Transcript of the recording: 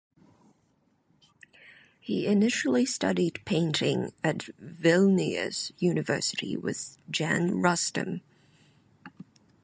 He initially studied painting at Vilnius University with Jan Rustem.